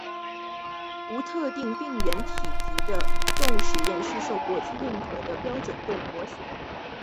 无特定病原体级的实验动物是受国际认可的标准动物模型。